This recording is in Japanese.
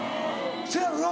そやろな。